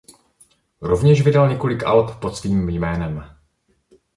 Rovněž vydal několik alb pod svým jménem.